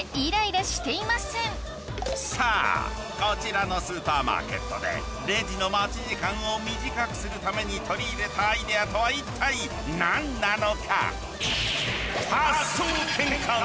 さあこちらのスーパーマーケットでレジの待ち時間を短くするために取り入れたアイデアとは一体何なのか？